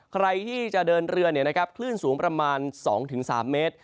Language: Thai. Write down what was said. ใครที่จะเดินเรือคลื่นสูงประมาณ๒๓เมตร